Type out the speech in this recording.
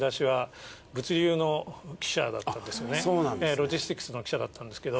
ロジスティクスの記者だったんですけど。